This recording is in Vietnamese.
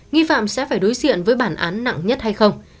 nghi phạm sẽ phải đối diện với bản án nặng nhất hay không